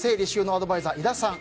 アドバイザー井田さん